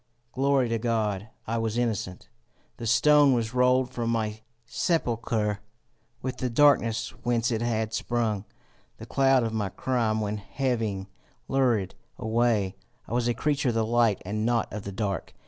Glory to God! I was innocent! The stone was rolled from my sepulchre. With the darkness whence it had sprung, the cloud of my crime went heaving lurid away. I was a creature of the light and not of the dark.